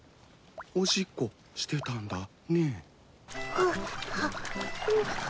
おしっこしてたんだね。